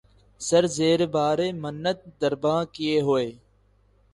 سر زیرِ بارِ منت درباں کیے ہوئے